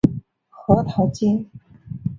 核桃街。